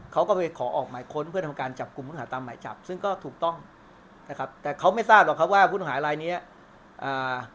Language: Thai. เขาก็ไปขอออกหมายค้นเพื่อทำการจับกลุ่มผู้ต้องหาตามหมายจับซึ่งก็ถูกต้องนะครับแต่เขาไม่ทราบหรอกครับว่าผู้ต้องหารายเนี้ยอ่า